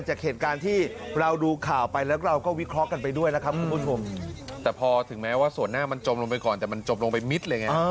จะถึงแม้ว่าส่วนหน้ามันจมลงไปก่อนแต่มันจมลงไปมิดเลยเนี่ย